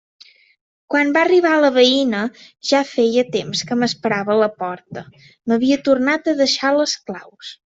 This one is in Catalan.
Quan va arribar la veïna, ja feia temps que m'esperava a la porta: m'havia tornat a deixar les claus.